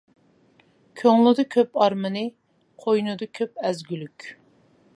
كۆڭلىدە كۆپ ئارمىنى، قوينىدا كۆپ ئەزگۈلۈك.